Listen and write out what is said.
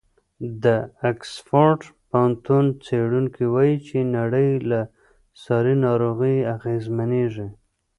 د اکسفورډ پوهنتون څېړونکي وایي چې نړۍ له ساري ناروغیو اغېزمنېږي.